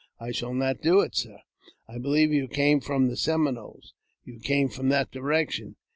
I shall not do it, sir." " I believe you came from the Seminoles ; you came from that direction."